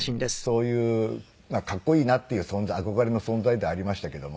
そういうかっこいいなっていう憧れの存在ではありましたけども。